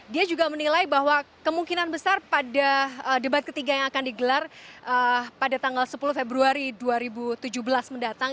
dia juga menilai bahwa kemungkinan besar pada debat ketiga yang akan digelar pada tanggal sepuluh februari dua ribu tujuh belas mendatang